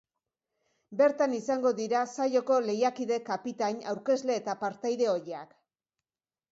Bertan izango dira saioko lehiakide, kapitain, aurkezle eta partaide ohiak.